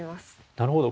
なるほど。